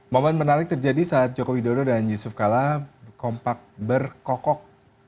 momen menarik terjadi saat joko widodo dan yusuf kala kompak berkokok